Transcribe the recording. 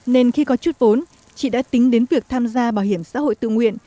nên khi có chút vốn chị đã tính đến việc tham gia bảo hiểm xã hội tự nguyện